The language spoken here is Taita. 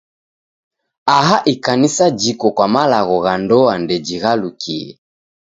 Aha Ikanisa jiko kwa malagho gha ndoa ndejighalukie.